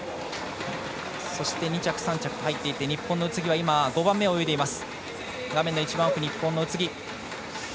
そして、２着３着と入っていって日本の宇津木は５番目を泳いでいます。